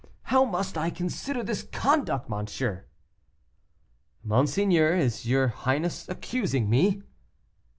How must I consider this conduct, monsieur?" "Monseigneur, is your highness accusing me?"